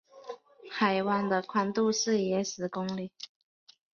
海湾的阔度是约十公里。